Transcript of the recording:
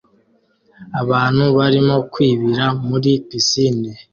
Abantu barimo kwibira muri pisine